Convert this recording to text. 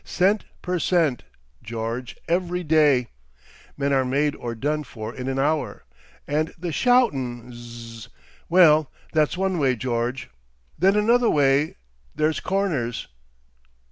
Cent per cent, George, every day. Men are made or done for in an hour. And the shoutin'! Zzzz.... Well, that's one way, George. Then another way—there's Corners!"